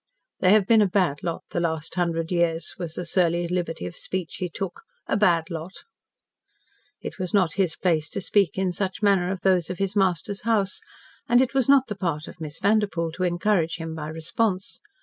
"They have been a bad lot, the last hundred years," was the surly liberty of speech he took, "a bad lot." It was not his place to speak in such manner of those of his master's house, and it was not the part of Miss Vanderpoel to encourage him by response.